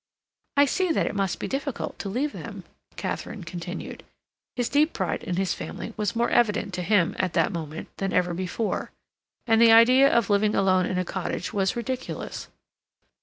"I see that it must be difficult to leave them," Katharine continued. His deep pride in his family was more evident to him, at that moment, than ever before, and the idea of living alone in a cottage was ridiculous.